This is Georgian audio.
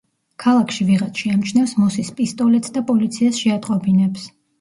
ქალაქში ვიღაც შეამჩნევს მოსის პისტოლეტს და პოლიციას შეატყობინებს.